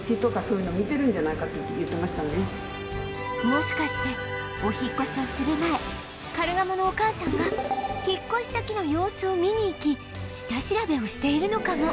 もしかしてお引っ越しをする前カルガモのお母さんが引っ越し先の様子を見に行き下調べをしているのかも？